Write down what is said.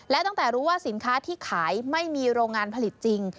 และตั้งแต่รู้ว่าสินค้าที่ขายไม่มีโรงงานผลิตจริง